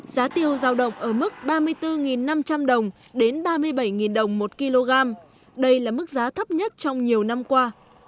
giá tiêu giao động ở mức ba mươi bốn năm trăm linh đồng đến ba mươi bảy đồng một kg đây là mức giá thấp nhất trong nhiều năm qua